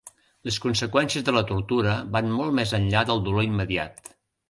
Les conseqüències de la tortura van molt més enllà del dolor immediat.